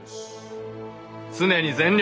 常に全力。